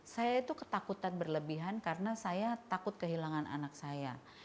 saya itu ketakutan berlebihan karena saya takut kehilangan anak saya